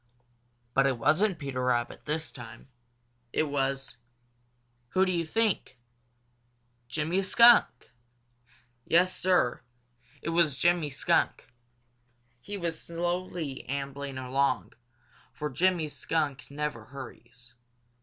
But it wasn't Peter Rabbit this time. It was who do you think? Jimmy Skunk! Yes, Sir, it was Jimmy Skunk. He was slowly ambling along, for Jimmy Skunk never hurries.